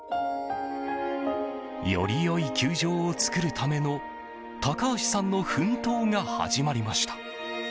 より良い球場を作るための高橋さんの奮闘が始まりました。